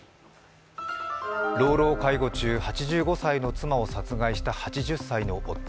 老老介護中、８５歳の妻を殺害した８０歳の夫。